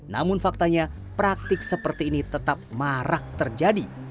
namun faktanya praktik seperti ini tetap marak terjadi